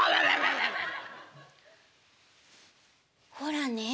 「ほらね」。